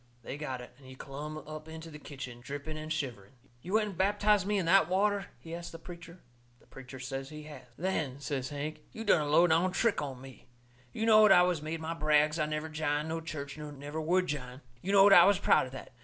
They got it, and he clumb up into the kitchen, dripping and shivering. "You went and baptized me in that water?" he asts the preacher. The preacher says he has. "Then," says Hank, "you done a low down trick on me. You knowed I has made my brags I never jined no church nor never would jine. You knowed I was proud of that.